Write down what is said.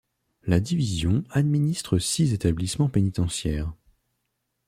La division administre six établissements pénitentiaires.